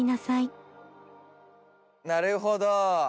なるほど！